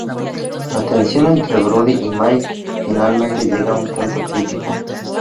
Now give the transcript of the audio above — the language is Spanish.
La tensión entre Brody y Mike finalmente llega a un punto crítico.